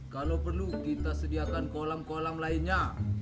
kalau perlu kita sediakan kolam kolam lainnya